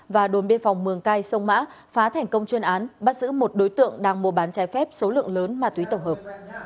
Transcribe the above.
và đồn biên phòng mường cai sông mã phá thành công chuyên án bắt giữ một đối tượng đang mua bán trái phép số lượng lớn ma túy tổng hợp